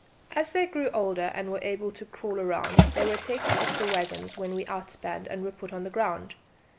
As they grew older and were able to crawl about they were taken off the waggons when we outspanned and put on the ground.